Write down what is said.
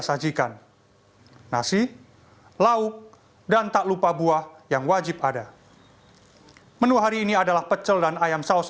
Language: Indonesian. sajikan nasi lauk dan tak lupa buah yang wajib ada menu hari ini adalah pecel dan ayam saus